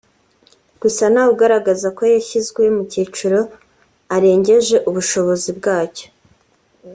gusa ntawe ugaragaza ko yashyizwe mu cyiciro arengeje ubushobozi bwacyo